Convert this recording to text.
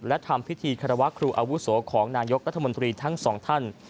และทำพิธีคารวะครูอาวุโสของนายกรัฐมนตรีทั้งสองท่าน